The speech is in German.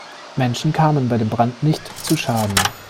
Menschen kamen bei dem Brand nicht zu Schaden.